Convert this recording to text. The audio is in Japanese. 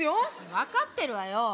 分かってるわよ。